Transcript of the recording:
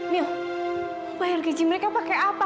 mil bayar gaji mereka pakai apa